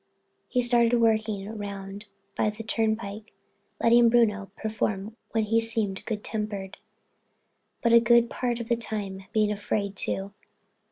He started, working round by the turnpike, letting Bruno perform when he seemed good tempered, but a good part of the time being afraid to.